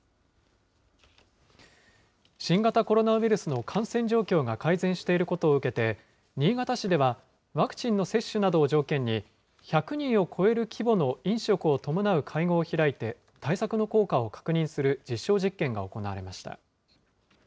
新型コロナウイルスの感染状況が改善していることを受けて、新潟市ではワクチンの接種などを条件に、１００人を超える規模の飲食を伴う会合を開いて、対策の効果を確認する実証実験が行われました。